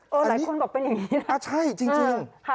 หลายคนบอกเป็นอย่างนี้นะใช่จริง